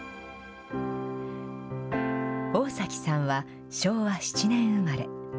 大崎さんは昭和７年生まれ。